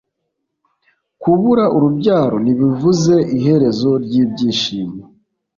Kubura urubyaro ntibivuze iherezo ry’ibyishimo